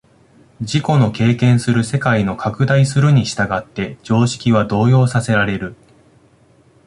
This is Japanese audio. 自己の経験する世界の拡大するに従って常識は動揺させられる。